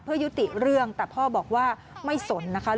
เพื่อยุติเรื่องแต่พ่อบอกว่าไม่สนนะคะ